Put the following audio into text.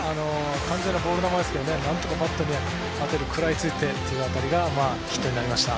完全なボール球ですけどなんとか食らいついてという当たりがヒットになりました。